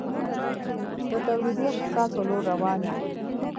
د تولیدي اقتصاد په لور روان یو؟